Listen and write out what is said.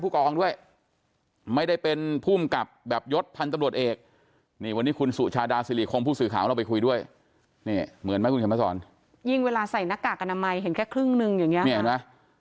ยิ่งเวลาใส่หน้ากากอนามัยเห็นแค่ครึ่งหนึ่งอย่างเนี้ยค่ะ